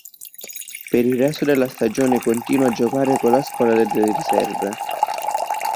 Per il resto della stagione continua a giocare con la squadra delle riserve.